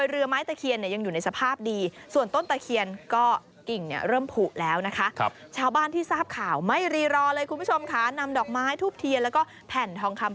เรือไม้ตะเคียนและก็ต้นตะเคียนที่เห็นนะคะ